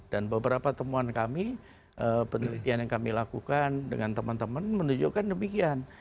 dan beberapa temuan kami penelitian yang kami lakukan dengan teman teman menunjukkan demikian